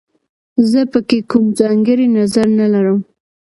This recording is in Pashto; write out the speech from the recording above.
زه په کې کوم ځانګړی نظر نه لرم